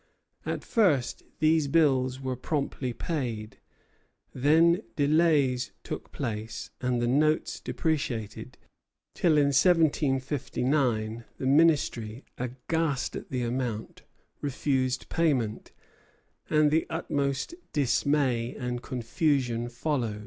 At first these bills were promptly paid; then delays took place, and the notes depreciated; till in 1759 the Ministry, aghast at the amount, refused payment, and the utmost dismay and confusion followed.